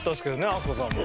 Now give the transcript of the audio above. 飛鳥さんも。